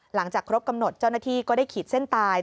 หลังจากครบกำหนดเจ้าหน้าที่ก็ได้ขีดเส้นตาย